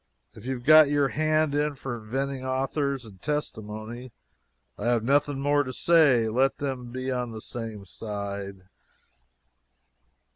If you have got your hand in for inventing authors and testimony, I have nothing more to say let them be on the same side."